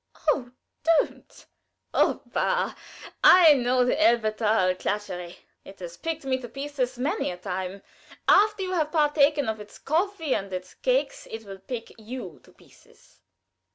"Oh, don't!" "Oh, bah! I know the Elberthal Klatscherei. It has picked me to pieces many a time. After you have partaken to day of its coffee and its cakes, it will pick you to pieces."